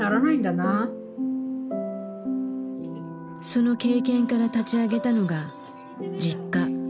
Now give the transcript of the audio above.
その経験から立ち上げたのがＪｉｋｋａ。